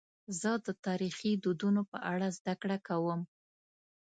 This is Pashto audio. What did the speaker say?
زه د تاریخي دودونو په اړه زدهکړه کوم.